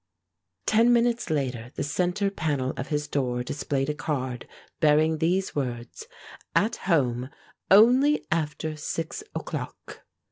Ten minutes later the centre panel of his door displayed a card bearing these words: "At home only after six o'clock."